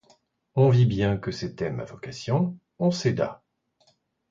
On vit bien que c'était ma vocation, on céda !